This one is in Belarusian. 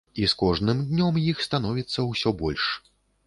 І з кожным днём іх становіцца ўсё больш.